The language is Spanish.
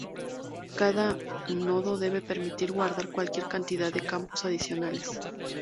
Cada nodo debe permitir guardar cualquier cantidad de campos adicionales.